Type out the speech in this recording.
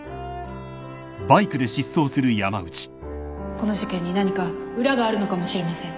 この事件に何か裏があるのかもしれません